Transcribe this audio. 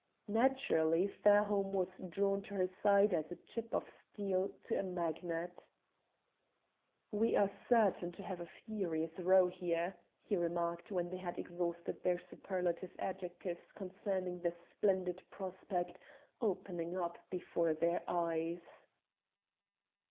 Naturally Fairholme was drawn to her side as a chip of steel to a magnet. "We are certain to have a furious row here," he remarked when they had exhausted their superlative adjectives concerning the splendid prospect opening up before their eyes.